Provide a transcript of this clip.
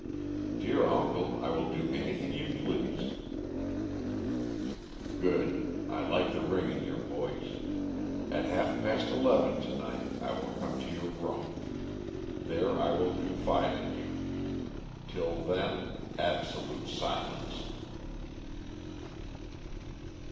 "Dear uncle, I will do anything you please." "Good. I like the ring in your voice. At half past eleven to night I will come to your room. There I will confide in you. Till then, absolute silence."